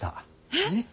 えっ！